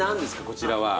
こちらは。